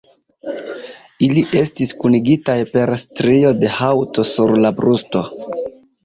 Ili estis kunigitaj per strio de haŭto sur la brusto.